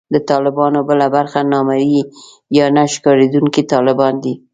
د طالبانو بله برخه نامرئي یا نه ښکارېدونکي طالبان دي